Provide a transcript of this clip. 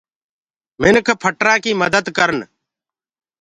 مِنک ڦٽجلآنٚ ڪي مدت ڪرن۔